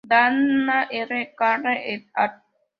Dana R. Carney et al.